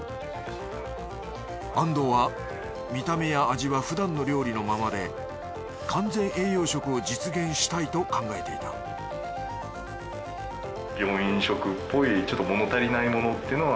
安藤は見た目や味は普段の料理のままで完全栄養食を実現したいと考えていたそうではなくて。